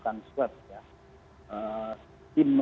yang inisiatif dari pemerintah kabupaten dan pemerintah